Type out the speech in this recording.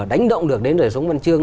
đánh động được đến đời sống văn chương